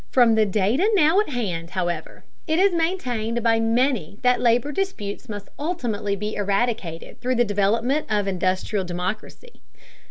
From the data now at hand, however, it is maintained by many that labor disputes must ultimately be eradicated through the development of industrial democracy.